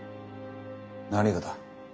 何がだ。